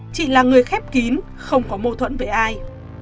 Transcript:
chị là người khép kín không có mâu thuẫn với ai